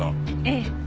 ええ。